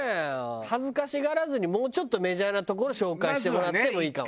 恥ずかしがらずにもうちょっとメジャーな所紹介してもらってもいいかも。